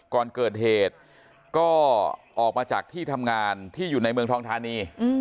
ก่อนเกิดเหตุก็ออกมาจากที่ทำงานที่อยู่ในเมืองทองทานี